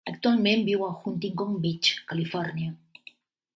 Actualment viu a Huntington Beach, California.